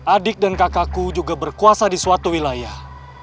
adik dan kakakku juga berkuasa di suatu wilayah